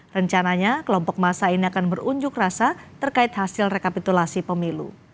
rencananya kelompok masa ini akan berunjuk rasa terkait hasil rekapitulasi pemilu